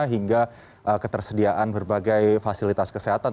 hingga ketersediaan berbagai fasilitas kesehatan